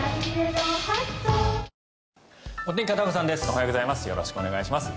おはようございます。